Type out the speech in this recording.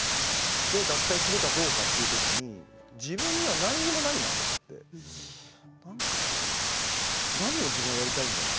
脱退するかどうかというころに自分には何もないなって何を自分はやりたいんだろう